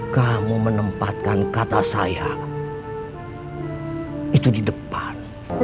kamu menempatkan kata saya itu di depan